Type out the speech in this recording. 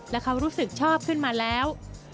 และเขารู้สึกชอบขึ้นมาแล้ว